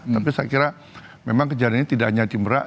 tapi saya kira memang kejadian ini tidak hanya di merak